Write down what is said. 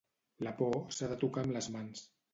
La por s'ha de tocar amb les mans.